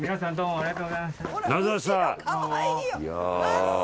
ありがとうございます。